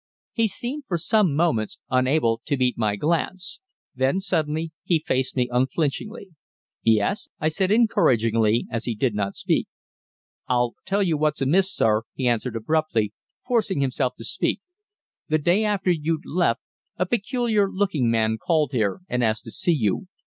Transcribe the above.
He seemed, for some moments, unable to meet my glance. Then suddenly he faced me unflinchingly. "Yes?" I said encouragingly, as he did not speak. "I'll tell you what's amiss, sir," he answered abruptly, forcing himself to speak. "The day after you'd left, a peculiar looking man called here, and asked to see you.